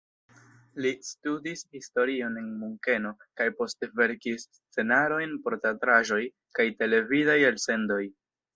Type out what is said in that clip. Li studis historion en Munkeno kaj poste verkis scenarojn por teatraĵoj kaj televidaj elsendoj.